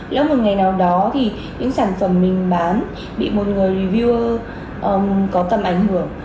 nếu một ngày nào đó thì những sản phẩm mình bán bị một người vier có tầm ảnh hưởng